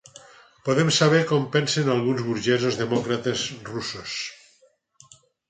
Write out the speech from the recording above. Podem saber com pensen alguns burgesos demòcrates russos.